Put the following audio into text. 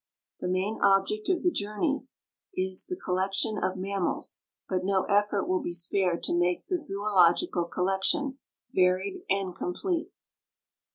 The main object of the journey is the collection of mammals, but no effort will be spared to make the zoological collection varied and complete.